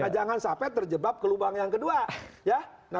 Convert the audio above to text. jangan sampai terjebak ke lubang yang kedua